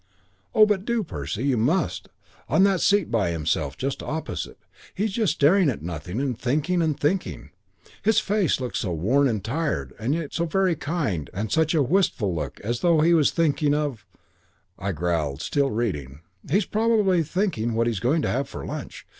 "'Oh, but do, Percy. You must. On that seat by himself just opposite. He's just staring at nothing and thinking and thinking. And his face looks so worn and tired and yet so very kind and such a _wist_ful look as though he was thinking of ' "I growled, still reading: 'He's probably thinking what he's going to have for lunch.